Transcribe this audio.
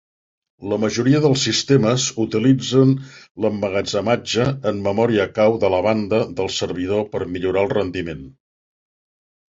La majoria dels sistemes utilitzen l'emmagatzematge en memòria cau de la banda del servidor per millorar el rendiment.